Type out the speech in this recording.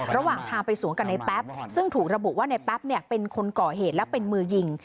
ระหว่างทางไปสวนกับในแป๊บซึ่งถูกระบุว่าในแป๊บเป็นคนก่อเหตุและเป็นมือยิง